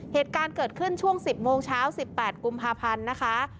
เหตุการณ์เกิดขึ้นช่วง๑๐โมงเช้า๑๘กุมภาพันธ์นะคะ